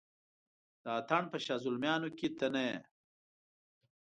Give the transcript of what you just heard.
د اتڼ په شاه زلمیانو کې ته نه یې